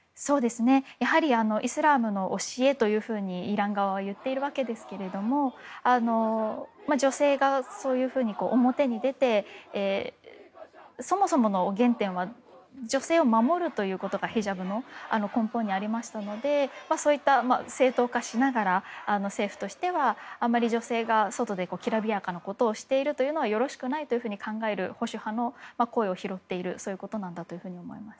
やはりイスラムの教えとイラン側は言っているわけですが女性がそういうふうに表に出てそもそもの原点は女性を守るということがヒジャブの根本にありましたのでそうやって正当化しながら政府としては、あまり女性が外できらびやかなことをしているのはよろしくないと考える保守派の声を拾っていることなんだと思います。